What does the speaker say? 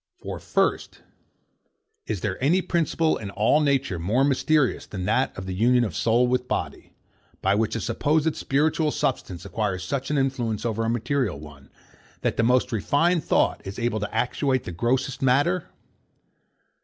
For first; is there any principle in all nature more mysterious than the union of soul with body; by which a supposed spiritual substance acquires such an influence over a material one, that the most refined thought is able to actuate the grossest matter?